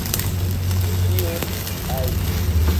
Kion ajn!